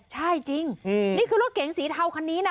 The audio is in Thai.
ใช่จริงนี่คือรถเก๋งสีเทาคันนี้นะ